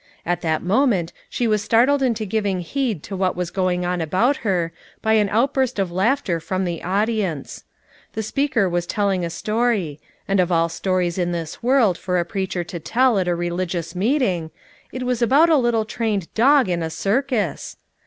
At that moment she was startled into giving heed to what was going on about her by an outburst of laughter from the audience. The speaker was telling a story; and of all stories in this world for a preacher to tell at a religious meeting, it was about a FOUR MOTHERS AT CHAUTAUQUA 367 little trained dog in a circus!